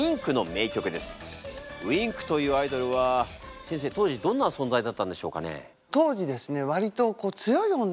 Ｗｉｎｋというアイドルは先生当時どんな存在だったんでしょうかね？